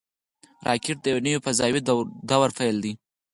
راکټ د یوه نوي فضاوي دور پیل دی